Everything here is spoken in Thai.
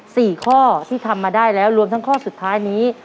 สี่ข้อที่ทำมาได้แล้วรวมทั้งข้อสุดท้ายนี้